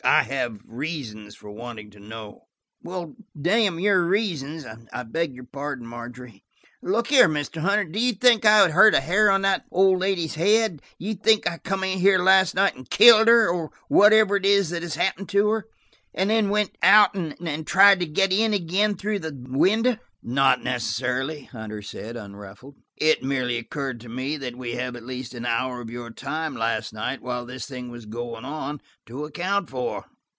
"I have reasons for wanting to know." "Damn your reasons–I beg your pardon, Margery. Look here, Mr. Hunter, do you think I would hurt a hair of that old lady's head? Do you think I came here last night and killed her, or whatever it is that has happened to her? And then went out and tried to get in again through the window?" "Not necessarily," Hunter said, unruffled. "It merely occurred to me that we have at least an hour of your time last night, while this thing was going on, to account for.